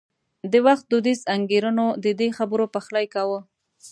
د وخت دودیزو انګېرنو د دې خبرو پخلی کاوه.